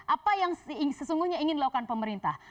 apa yang sesungguhnya ingin dilakukan pemerintah